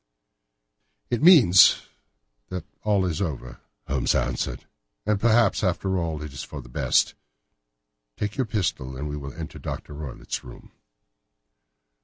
"It means that it is all over," Holmes answered. "And perhaps, after all, it is for the best. Take your pistol, and we will enter Dr. Roylott's room."